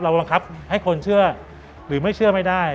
บังคับให้คนเชื่อหรือไม่เชื่อไม่ได้